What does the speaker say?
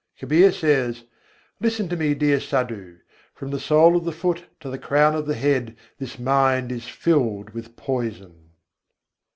Kabîr says: "Listen to me, dear Sadhu! From the sole of the foot to the crown of the head this mind is filled with poison."